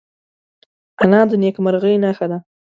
انا د نیکمرغۍ نښه ده